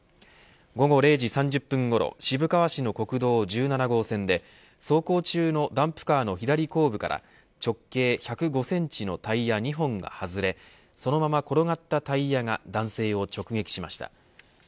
午後０時３０分ごろ渋川市の国道１７号線で走行中のダンプカーの左後部から直径１０５センチのタイヤ２本が外れそのまま転がったタイヤが男性を直撃しました。